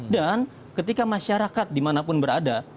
dan ketika masyarakat dimanapun berada